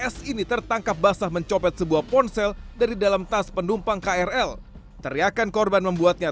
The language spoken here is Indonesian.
s ini tertangkap basah mencopet sebuah ponsel dari dalam tas penumpang krl teriakan korban membuatnya